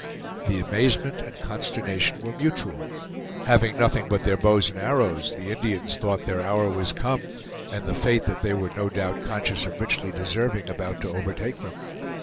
The amazement and consternation were mutual. Having nothing but their bows and arrows, the Indians thought their hour was come, and the fate that they were no doubt conscious of richly deserving about to overtake them.